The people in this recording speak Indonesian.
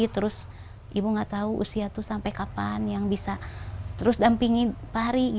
terus ibu gak tau usia tuh sampai kapan yang bisa terus dampingi fahri